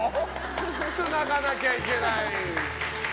つながなきゃいけない。